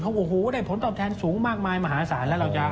โอ้โหได้ผลตอบแทนสูงมากมายมหาศาลแล้วเราจะ